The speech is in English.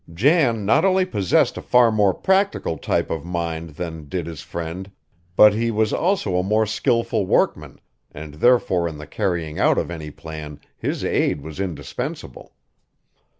Jan not only possessed a far more practical type of mind than did his friend but he was also a more skilful workman and therefore in the carrying out of any plan his aid was indispensable.